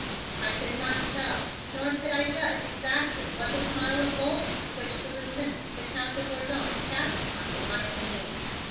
I could not tell nor could I judge exactly what the smile of boldness which the Lieutenant, the Count de Bourdon, cast upon me, might mean.